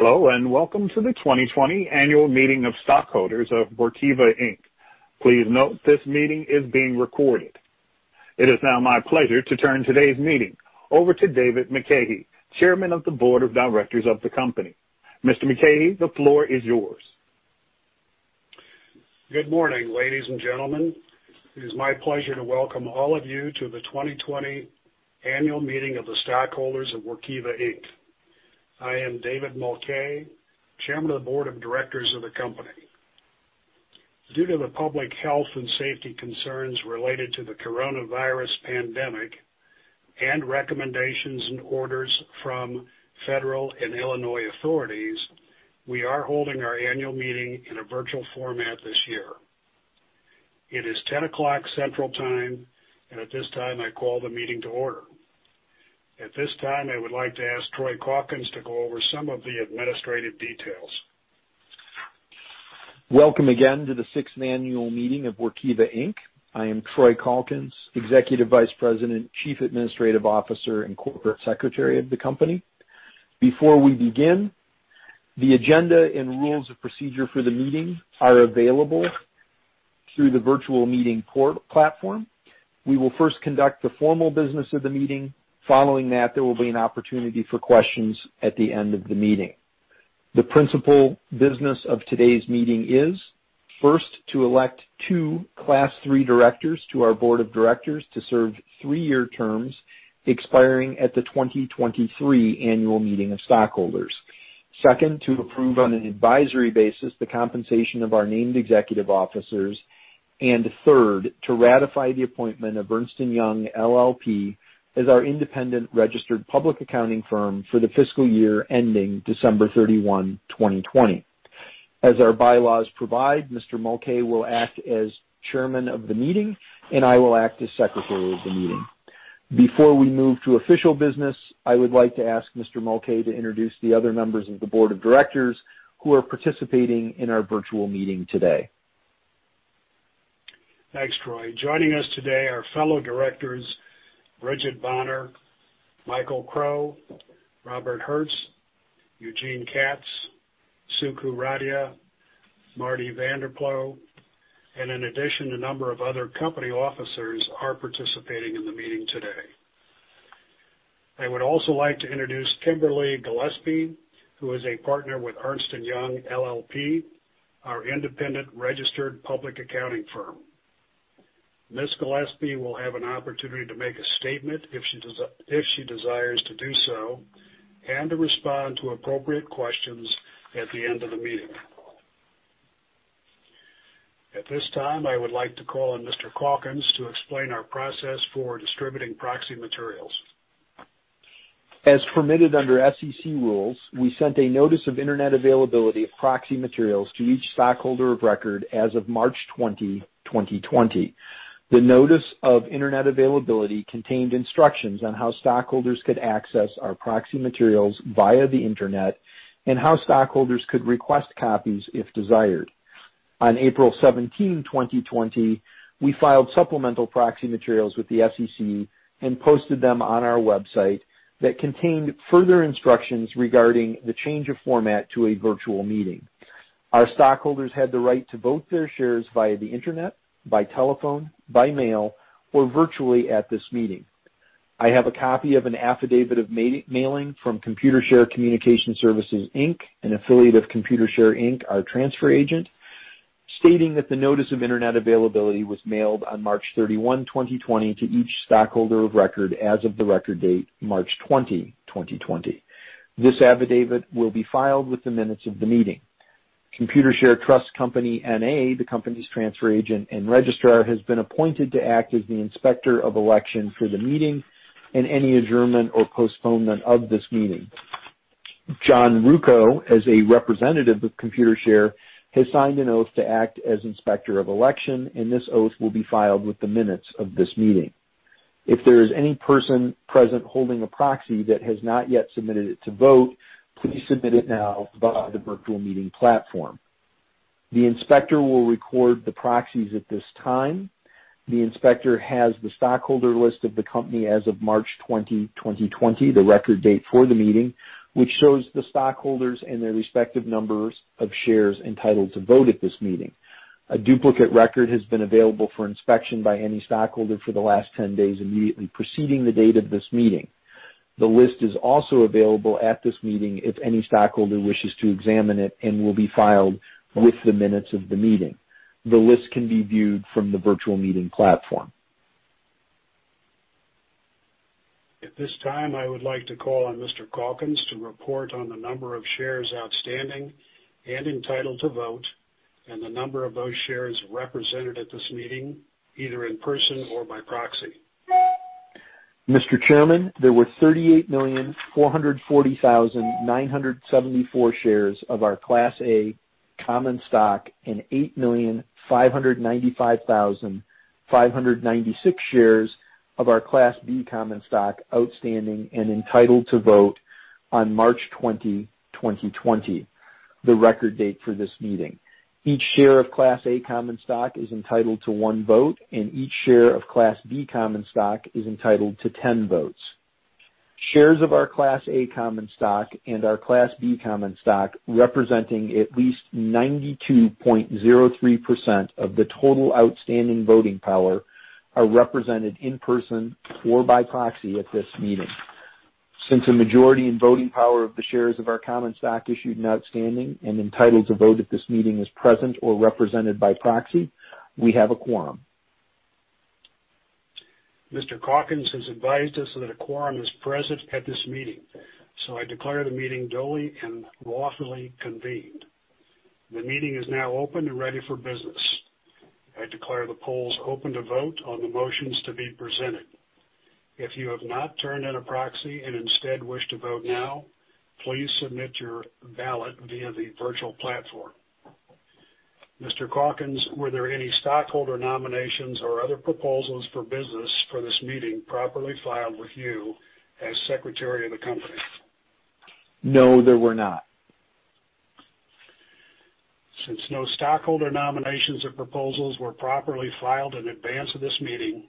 Hello, and welcome to the 2020 annual meeting of stockholders of Workiva Inc. Please note this meeting is being recorded. It is now my pleasure to turn today's meeting over to David Mulcahy, Chairman of the Board of Directors of the company. Mr. Mulcahy, the floor is yours. Good morning, ladies and gentlemen. It is my pleasure to welcome all of you to the 2020 annual meeting of the stockholders of Workiva Inc. I am David Mulcahy, Chairman of the Board of Directors of the company. Due to the public health and safety concerns related to the coronavirus pandemic and recommendations and orders from federal and Illinois authorities, we are holding our annual meeting in a virtual format this year. It is 10:00 A.M. Central Time, and at this time, I call the meeting to order. At this time, I would like to ask Troy Calkins to go over some of the administrative details. Welcome again to the sixth annual meeting of Workiva Inc. I am Troy Calkins, Executive Vice President, Chief Administrative Officer, and Corporate Secretary of the company. Before we begin, the agenda and rules of procedure for the meeting are available through the virtual meeting platform. We will first conduct the formal business of the meeting. Following that, there will be an opportunity for questions at the end of the meeting. The principal business of today's meeting is, first, to elect two Class III directors to our board of directors to serve three-year terms expiring at the 2023 annual meeting of stockholders. Second, to approve on an advisory basis the compensation of our named executive officers. Third, to ratify the appointment of Ernst & Young LLP as our independent registered public accounting firm for the fiscal year ending December 31, 2020. As our bylaws provide, Mr. Mulcahy will act as chairman of the meeting, and I will act as secretary of the meeting. Before we move to official business, I would like to ask Mr. Mulcahy to introduce the other members of the board of directors who are participating in our virtual meeting today. Thanks, Troy. Joining us today are fellow directors Brigid Bonner, Michael Crow, Robert Herz, Eugene Katz, Suku Radia, Marty Vanderploeg, and in addition, a number of other company officers are participating in the meeting today. I would also like to introduce Kimberly Gillespie, who is a partner with Ernst & Young LLP, our independent registered public accounting firm. Ms. Gillespie will have an opportunity to make a statement if she desires to do so, and to respond to appropriate questions at the end of the meeting. At this time, I would like to call on Mr. Calkins to explain our process for distributing proxy materials. As permitted under SEC rules, we sent a notice of internet availability of proxy materials to each stockholder of record as of March 2020. The notice of internet availability contained instructions on how stockholders could access our proxy materials via the internet and how stockholders could request copies if desired. On April 17, 2020, we filed supplemental proxy materials with the SEC and posted them on our website that contained further instructions regarding the change of format to a virtual meeting. Our stockholders had the right to vote their shares via the internet, by telephone, by mail, or virtually at this meeting. I have a copy of an affidavit of mailing from Computershare Communication Services Inc., an affiliate of Computershare Inc., our transfer agent, stating that the notice of internet availability was mailed on March 31, 2020, to each stockholder of record as of the record date March 20, 2020. This affidavit will be filed with the minutes of the meeting. Computershare Trust Company N.A., the company's transfer agent and registrar, has been appointed to act as the inspector of election for the meeting and any adjournment or postponement of this meeting. John Rukoh, as a representative of Computershare, has signed an oath to act as inspector of election, and this oath will be filed with the minutes of this meeting. If there is any person present holding a proxy that has not yet submitted it to vote, please submit it now via the virtual meeting platform. The inspector will record the proxies at this time. The inspector has the stockholder list of the company as of March 20, 2020, the record date for the meeting, which shows the stockholders and their respective numbers of shares entitled to vote at this meeting. A duplicate record has been available for inspection by any stockholder for the last 10 days immediately preceding the date of this meeting. The list is also available at this meeting if any stockholder wishes to examine it and will be filed with the minutes of the meeting. The list can be viewed from the virtual meeting platform. At this time, I would like to call on Mr. Calkins to report on the number of shares outstanding and entitled to vote and the number of those shares represented at this meeting, either in person or by proxy. Mr. Chairman, there were 38,440,974 shares of our Class A common stock and 8,595,596 shares of our Class B common stock outstanding and entitled to vote on March 2020, the record date for this meeting. Each share of Class A common stock is entitled to one vote, and each share of Class B common stock is entitled to 10 votes. Shares of our Class A common stock and our Class B common stock, representing at least 92.03% of the total outstanding voting power, are represented in person or by proxy at this meeting. Since a majority in voting power of the shares of our common stock issued and outstanding and entitled to vote at this meeting is present or represented by proxy, we have a quorum. Mr. Calkins has advised us that a quorum is present at this meeting, so I declare the meeting duly and lawfully convened. The meeting is now open and ready for business. I declare the polls open to vote on the motions to be presented. If you have not turned in a proxy and instead wish to vote now, please submit your ballot via the virtual platform. Mr. Calkins, were there any stockholder nominations or other proposals for business for this meeting properly filed with you as Secretary of the company? No, there were not. Since no stockholder nominations or proposals were properly filed in advance of this meeting,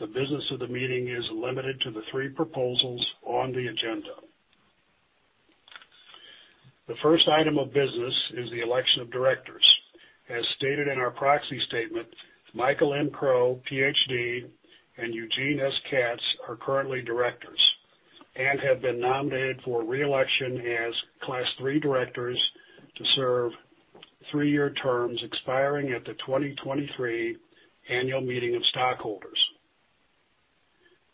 the business of the meeting is limited to the three proposals on the agenda. The first item of business is the election of directors. As stated in our proxy statement, Michael M. Crow, PhD, and Eugene S. Katz are currently directors and have been nominated for re-election as Class III directors to serve three-year terms expiring at the 2023 Annual Meeting of Stockholders.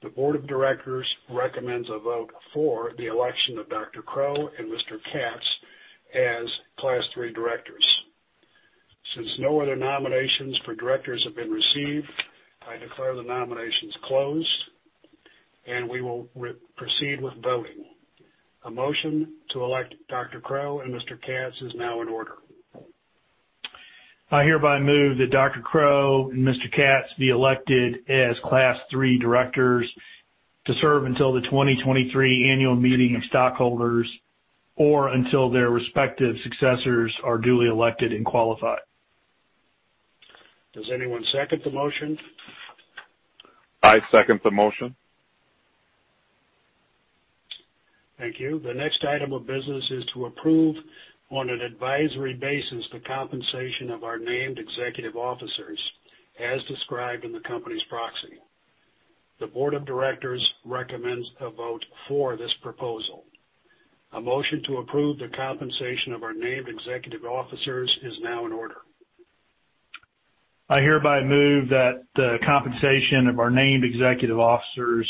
The board of directors recommends a vote for the election of Dr. Crow and Mr. Katz as Class III directors. Since no other nominations for directors have been received, I declare the nominations closed, and we will proceed with voting. A motion to elect Dr. Crow and Mr. Katz is now in order. I hereby move that Dr. Crow and Mr. Katz be elected as Class III directors to serve until the 2023 Annual Meeting of Stockholders or until their respective successors are duly elected and qualified. Does anyone second the motion? I second the motion. Thank you. The next item of business is to approve on an advisory basis the compensation of our named executive officers as described in the company's proxy. The board of directors recommends a vote for this proposal. A motion to approve the compensation of our named executive officers is now in order. I hereby move that the compensation of our named executive officers,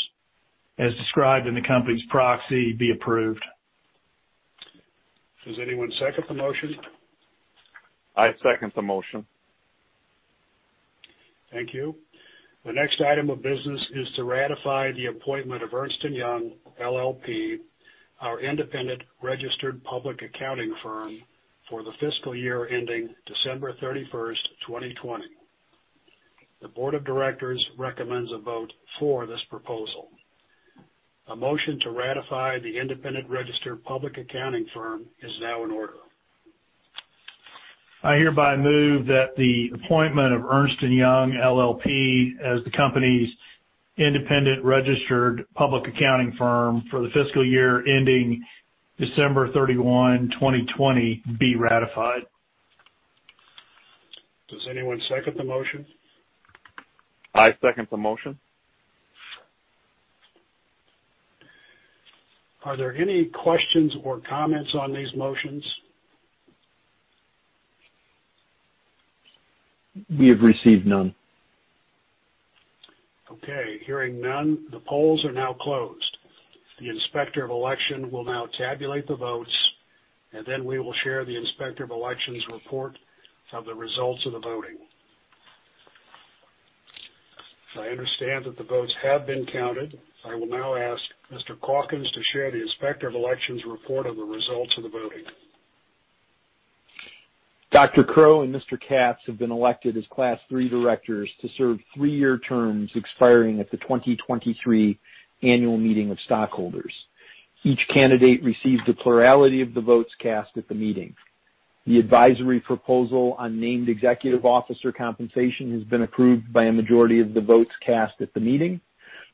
as described in the company's proxy, be approved. Does anyone second the motion? I second the motion. Thank you. The next item of business is to ratify the appointment of Ernst & Young LLP, our independent registered public accounting firm, for the fiscal year ending December 31st, 2020. The board of directors recommends a vote for this proposal. A motion to ratify the independent registered public accounting firm is now in order. I hereby move that the appointment of Ernst & Young LLP as the company's independent registered public accounting firm for the fiscal year ending December 31st, 2020, be ratified. Does anyone second the motion? I second the motion. Are there any questions or comments on these motions? We have received none. Okay, hearing none, the polls are now closed. The inspector of election will now tabulate the votes, and then we will share the inspector of elections report of the results of the voting. I understand that the votes have been counted. I will now ask Mr. Calkins to share the inspector of elections report of the results of the voting. Dr. Crow and Mr. Katz have been elected as Class III directors to serve three-year terms expiring at the 2023 Annual Meeting of Stockholders. Each candidate received a plurality of the votes cast at the meeting. The advisory proposal on named executive officer compensation has been approved by a majority of the votes cast at the meeting.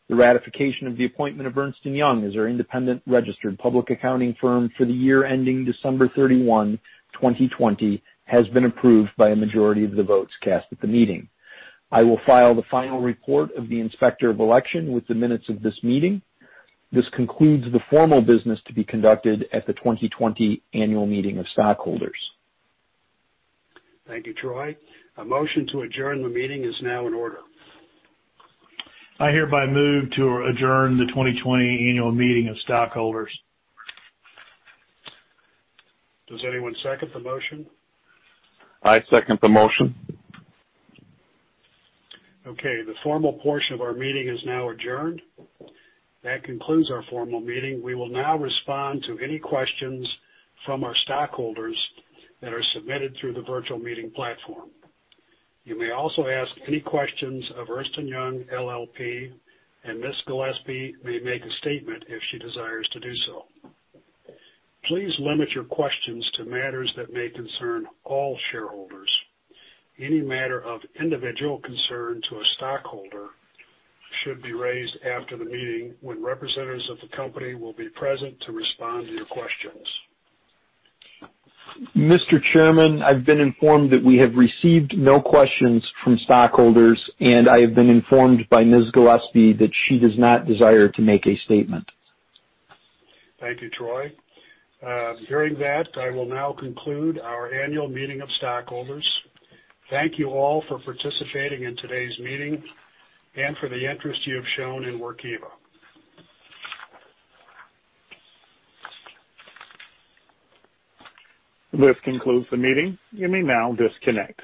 The ratification of the appointment of Ernst & Young as our independent registered public accounting firm for the year ending December 31, 2020, has been approved by a majority of the votes cast at the meeting. I will file the final report of the inspector of election with the minutes of this meeting. This concludes the formal business to be conducted at the 2020 Annual Meeting of Stockholders. Thank you, Troy. A motion to adjourn the meeting is now in order. I hereby move to adjourn the 2020 Annual Meeting of Stockholders. Does anyone second the motion? I second the motion. Okay. The formal portion of our meeting is now adjourned. That concludes our formal meeting. We will now respond to any questions from our stockholders that are submitted through the virtual meeting platform. You may also ask any questions of Ernst & Young LLP, and Ms. Gillespie may make a statement if she desires to do so. Please limit your questions to matters that may concern all shareholders. Any matter of individual concern to a stockholder should be raised after the meeting when representatives of the company will be present to respond to your questions. Mr. Chairman, I've been informed that we have received no questions from stockholders, and I have been informed by Ms. Gillespie that she does not desire to make a statement. Thank you, Troy. Hearing that, I will now conclude our Annual Meeting of Stockholders. Thank you all for participating in today's meeting and for the interest you have shown in Workiva. This concludes the meeting. You may now disconnect.